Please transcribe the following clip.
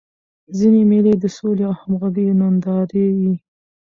ځيني مېلې د سولي او همږغۍ نندارې يي.